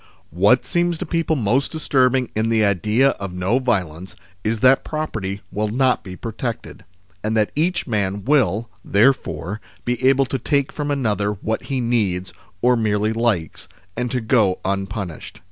What seems to people most disturbing in the idea of no violence, is that property will not be protected, and that each man will, therefore, be able to take from another what he needs or merely likes, and to go unpunished.